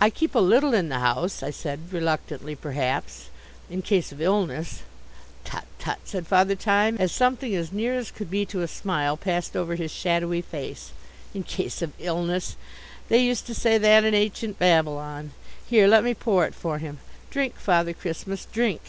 "I keep a little in the house," I said reluctantly perhaps, "in case of illness." "Tut, tut," said Father Time, as something as near as could be to a smile passed over his shadowy face. "In case of illness! They used to say that in ancient Babylon. Here, let me pour it for him. Drink, Father Christmas, drink!"